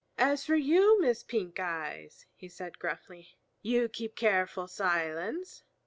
"As for you, Miss Pink eyes," he said gruffly, "you keep careful silence.